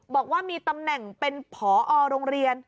บอกว่ามีตำแหน่งเป็นผอโรงเรียน